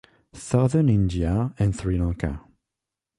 Southern India and Sri Lanka.